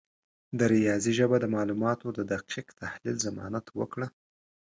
د ریاضي ژبه د معلوماتو د دقیق تحلیل ضمانت وکړه.